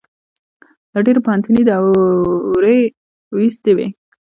له ډېرو پوهنتونو یې دوړې ویستې وې.